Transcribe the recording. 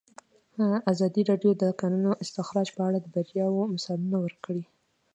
ازادي راډیو د د کانونو استخراج په اړه د بریاوو مثالونه ورکړي.